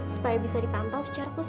supaya bisa dipantau secara khusus